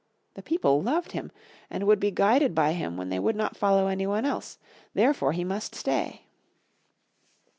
The people loved him, and would be guided by him when they would not follow any one else, therefore he must stay.